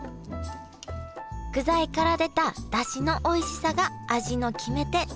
具材から出ただしのおいしさが味の決め手